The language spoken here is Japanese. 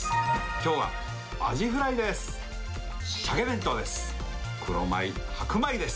きょうはアジフライです。